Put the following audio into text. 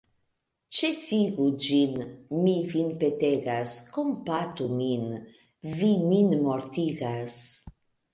Ĉesigu ĝin, mi vin petegas; kompatu min; vi min mortigas.